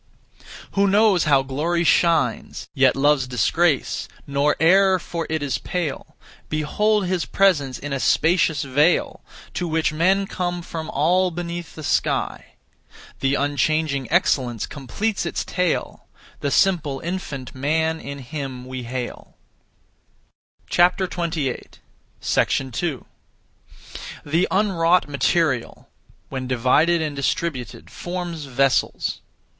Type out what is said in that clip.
Who knows how glory shines, Yet loves disgrace, nor e'er for it is pale; Behold his presence in a spacious vale, To which men come from all beneath the sky. The unchanging excellence completes its tale; The simple infant man in him we hail. 2. The unwrought material, when divided and distributed, forms vessels.